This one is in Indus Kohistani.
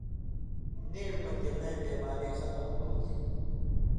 نیژ میں تِلئیں بیماری ختم ہوتھی۔